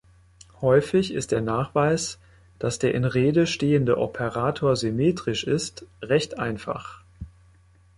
Häufig ist der Nachweis, dass der in Rede stehende Operator symmetrisch ist, recht einfach.